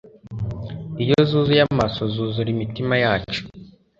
Iyo zuzuye amaso zuzura imitima yacu